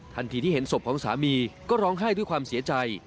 ที่เห็นศพของสามีก็ร้องไห้ด้วยความเสียใจ